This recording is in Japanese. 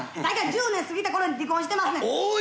１０年過ぎたころに離婚してますねん。